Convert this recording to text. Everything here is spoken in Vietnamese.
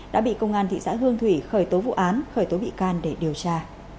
đã bị công an thị xã hương thủy khởi tố vụ án khởi tố bị can để điều tra